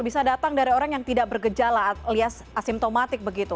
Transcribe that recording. bisa datang dari orang yang tidak bergejala alias asimptomatik begitu